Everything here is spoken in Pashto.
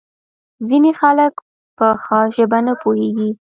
ځینې خلک په ښه ژبه نه پوهیږي.